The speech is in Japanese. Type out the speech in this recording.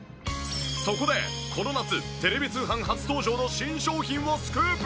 そこでこの夏テレビ通販初登場の新商品をスクープ！